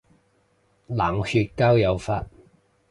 冷血交友法